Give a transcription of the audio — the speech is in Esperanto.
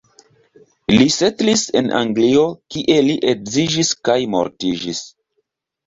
Li setlis en Anglio, kie li edziĝis kaj mortiĝis.